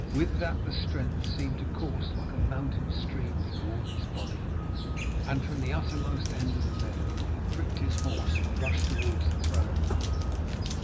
With that the strength seemed to course like a mountain stream through all his body; and from the uttermost end of the meadow he pricked his horse and rushed towards the proud knight.